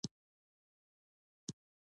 زړه د خوږو خبرو سره نرمېږي.